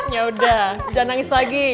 yaudah jangan nangis lagi